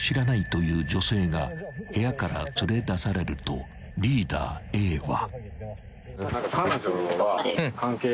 ［という女性が部屋から連れ出されるとリーダーＡは］